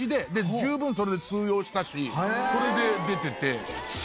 十分それで通用したしそれで出てて。